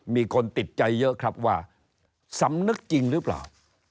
มีคนติดใจเยอะครับว่าสำนึกจริงหรือเปล่า